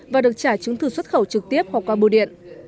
và được trả chứng thư xuất khẩu trực tiếp hoặc qua bưu điện